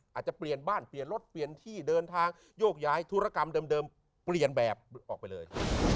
อาจจะเปลี่ยนบ้านเปลี่ยนรถเปลี่ยนที่เดินทางโยกย้ายธุรกรรมเดิมเปลี่ยนแบบออกไปเลย